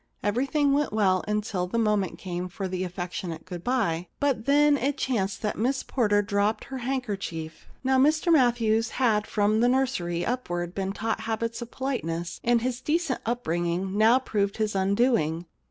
Everything went well until the moment came for the affectionate good bye. But then it chanced that Miss Porter dropped her hand kerchief. Now Mr Matthews had from the nursery upwards been taught habits of politeness, and his decent upbringing now proved his undoing.